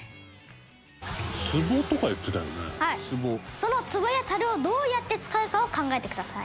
その壺や樽をどうやって使うかを考えてください。